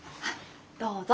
どうぞ。